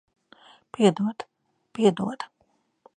Piedod. Piedod.